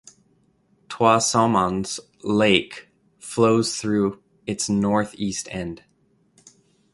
Trois Saumons Lake flows through its northeast end.